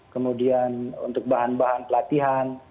kemudian untuk bahan bahan pelatihan